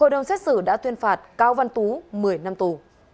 hội đồng xét xử đã tuyên phạt cao văn tú một mươi năm tù